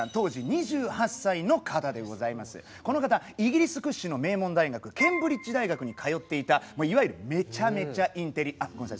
この方イギリス屈指の名門大学ケンブリッジ大学に通っていたいわゆるめちゃめちゃインテリあっごめんなさい。